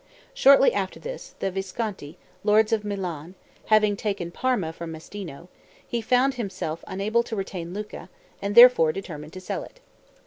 Shortly after this, the Visconti, lords of Milan, having taken Parma from Mastino, he found himself unable to retain Lucca, and therefore determined to sell it.